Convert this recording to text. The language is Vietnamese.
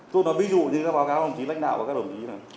tôi nói ví dụ như các báo cáo các đồng chí lãnh đạo các đồng chí này